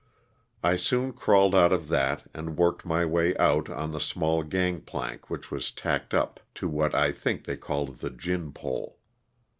I soon crawled out of that and worked my way out on the small gang plank which was tackled up to what I think they called the gin pole.